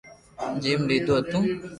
جمم ليدو ھتو